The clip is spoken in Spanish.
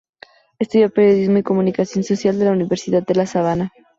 Estudió periodismo y comunicación social de la Universidad de La Sabana.